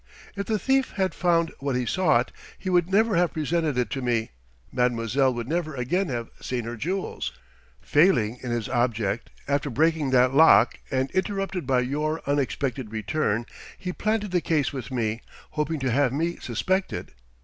"If the thief had found what he sought, he would never have presented it to me, mademoiselle would never again have seen her jewels. Failing in his object, after breaking that lock, and interrupted by your unexpected return, he planted the case with me, hoping to have me suspected.